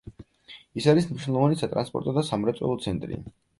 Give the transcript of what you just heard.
ის არის მნიშვნელოვანი სატრანსპორტო და სამრეწველო ცენტრი.